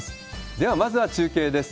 では、まずは中継です。